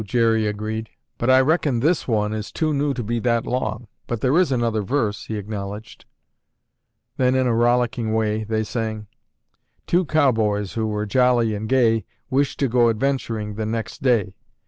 Jerry agreed. "But I reckon this one is too new to be that long, but there is another verse," he acknowledged. Then in a rollicking way they sang: "Two cowboys who were jolly and gay Wished to go adventuring the next day.